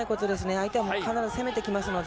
相手はもう必ず攻めてきますので。